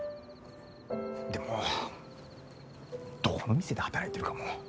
でもどこの店で働いてるかも。